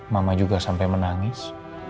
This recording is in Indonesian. mama juga sampe menangis